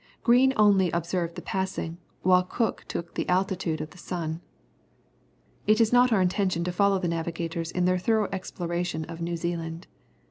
Green only observed the passing, while Cook took the altitude of the sun. It is not our intention to follow the navigators in their thorough exploration of New Zealand.